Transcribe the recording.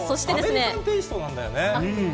アメリカンテーストなんだよね。